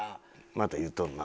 また言うとるな。